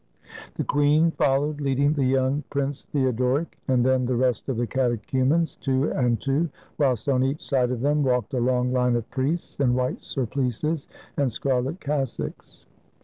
The queen followed, leading the young Prince Theodoric, and then the rest of the catechumens two and two, whilst on each side of them walked a long line of priests in white surplices and scarlet cassocks.